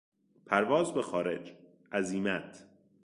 پرواز به خارج، عزیمت